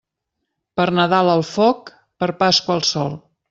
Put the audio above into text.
Per Nadal al foc, per Pasqua al sol.